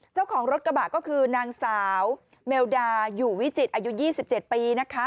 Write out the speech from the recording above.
เจ้าของรถกระบะก็คือนางสาวเมลดาอยู่วิจิตอายุ๒๗ปีนะคะ